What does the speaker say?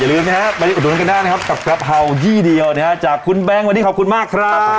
ลืมนะฮะไปอุดหนุนกันได้นะครับกับกะเพราที่เดียวนะฮะจากคุณแบงค์วันนี้ขอบคุณมากครับ